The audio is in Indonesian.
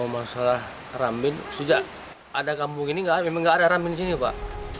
masalah rambin sejak ada kampung ini memang nggak ada rambin di sini pak